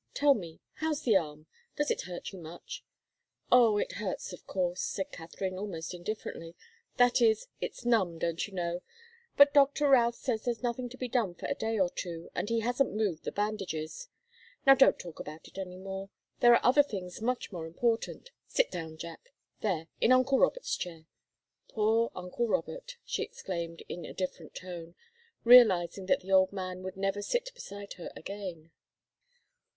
Tell me how's the arm? Does it hurt you much?" "Oh it hurts, of course," said Katharine, almost indifferently. "That is it's numb, don't you know? But Doctor Routh says there's nothing to be done for a day or two, and he hasn't moved the bandages. Now don't talk about it any more there are other things much more important. Sit down, Jack there, in uncle Robert's chair. Poor uncle Robert!" she exclaimed, in a different tone, realizing that the old man would never sit beside her again.